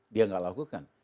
dia nggak lakukan